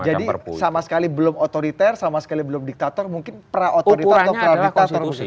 jadi sama sekali belum otoriter sama sekali belum diktator mungkin pra otoriter atau pra diktator